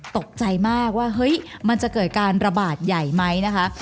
ตกใจมากว่าเฮ้ยมันจะเกิดการระบาดใหญ่ไหมนะคะ